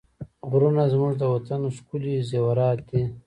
غرونه زموږ د وطن ښکلي زېورات دي.